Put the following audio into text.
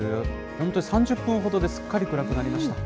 本当に３０分ほどですっかり暗くなりました。